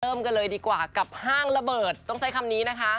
เริ่มกันเลยดีกว่ากับห้างระเบิดต้องใช้คำนี้นะคะ